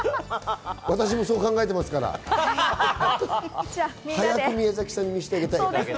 私も、そう考えていますから早く宮崎さんに見させてあげたい。